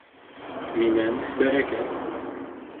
Минән бәрәкәт.